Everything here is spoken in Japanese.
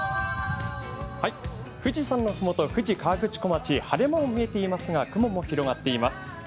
富士山のふもと富士河口湖町晴れ間も見えていますが雲も広がっています。